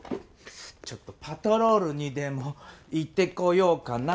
ちょっとパトロールにでも行ってこようかな？